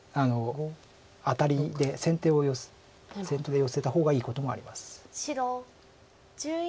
アタリで先手でヨセた方がいいこともあります。